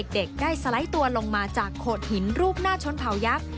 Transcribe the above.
เด็กได้สไลด์ตัวลงมาจากโขดหินรูปหน้าชนเผายักษ์